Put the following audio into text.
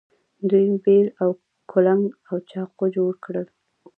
دوی بیل او کلنګ او چاقو جوړ کړل.